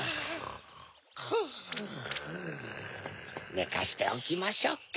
ねかしておきましょうか。